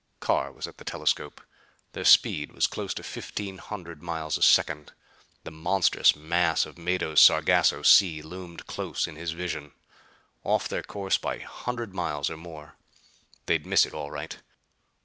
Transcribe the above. Carr was at the telescope. Their speed was close to fifteen hundred miles a second. The monstrous mass of Mado's Sargasso Sea loomed close in his vision. Off their course by a hundred miles or more. They'd miss it all right.